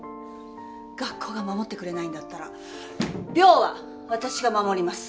学校が守ってくれないんだったら陵は私が守ります。